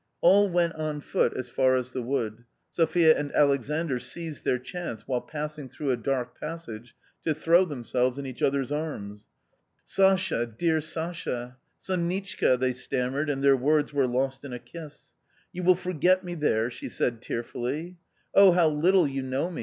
All went on foot as far as the wood. Sophia and Alex andr seized their chance, while passing through a dark passage, to throw themselves in each other's arms. "Sasha, dear Sasha!" " Sonitchka !" they stammered, and their words were lost in a kiss. " You will forget me there ?" she said tearfully. " Oh, how little you know me